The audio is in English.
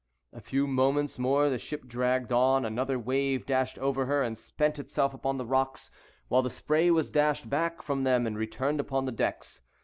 A few moments more the ship dragged on, another wave dashed over her and spent itself upon the rocks, while the spray was dashed back from them, and returned upon the decks.